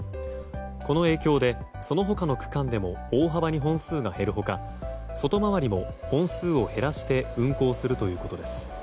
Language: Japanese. この影響で、その他の区間でも大幅に本数が減る他外回りも本数を減らして運行するということです。